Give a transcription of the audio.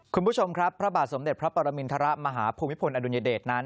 คุณผู้ชมครับพระบาทสมเด็จพระปรมินทรมาฮภูมิพลอดุญเดชนั้น